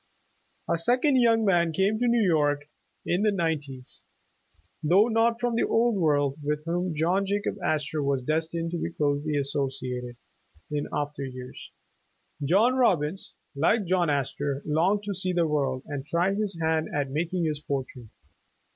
A second young man came to New York in the nine ties, though not from the old world, with whom. John Jacob Astor was destined to be closely associated in 89 The Original John Jacob Astor after years. John Robbins, like John Astor, longed to see the world, and try his hand at making his fortune.